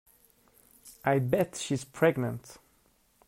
I bet she's pregnant!